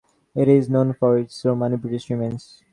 It is known for its Romano-British remains.